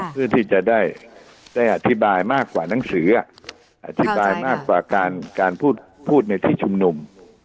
เพื่อที่จะได้อธิบายมากกว่าหนังสืออธิบายมากกว่าการพูดในที่ชุมนุม